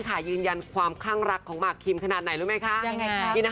ตอนนี้นะแค่ความรู้สึกตอนนี้